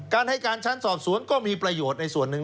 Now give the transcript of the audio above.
การให้การชั้นสอบสวนก็มีประโยชน์ในส่วนหนึ่ง